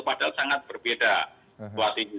padahal sangat berbeda situasinya